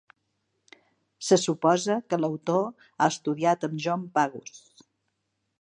Se suposa que l'autor ha estudiat amb John Pagus.